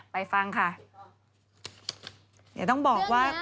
ไปฟังค่ะ